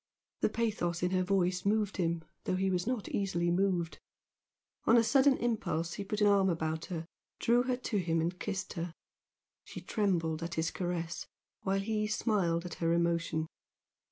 The pathos in her voice moved him though he was not easily moved. On a sudden impulse he put an arm about her, drew her to him and kissed her. She trembled at his caress, while he smiled at her emotion.